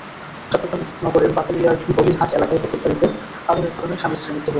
চট্টগ্রাম নগরের বাকলিয়ার বলির হাট এলাকায় বসতবাড়িতে আগুনের ঘটনায় স্বামী-স্ত্রীর মৃত্যু হয়েছে।